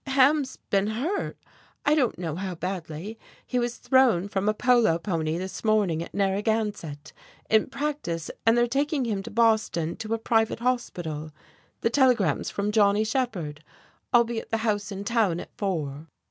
"Ham's been hurt I don't know how badly he was thrown from a polo pony this morning at Narragansett, in practice, and they're taking him to Boston to a private hospital. The telegram's from Johnny Shephard. I'll be at the house in town at four."